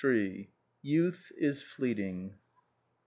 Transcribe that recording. YOUTH IS FLEETING.